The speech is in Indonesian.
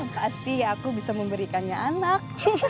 pasti aku bisa memberikannya anak